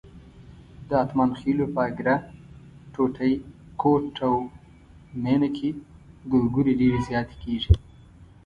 د اتمانخېلو په اګره، ټوټی، کوټ او مېنه کې ګورګورې ډېرې زیاتې کېږي.